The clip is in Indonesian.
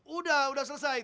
udah udah selesai